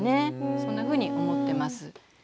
そんなふうに思ってます。